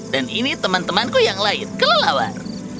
dan ini temanku yang lain kelelawar